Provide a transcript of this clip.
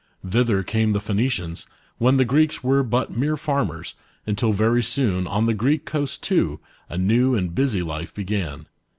Thither came the Phoenicians, when the Greeks were but mere farmers, until very soon, on the Greek coast too, a new and busy life began.